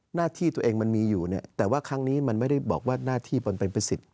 หน้าที่ตัวเองมันมีอยู่เนี่ยแต่ว่าครั้งนี้มันไม่ได้บอกว่าหน้าที่มันเป็นประสิทธิ